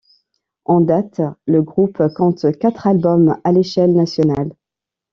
En date, le groupe compte quatre albums à l'échelle nationale.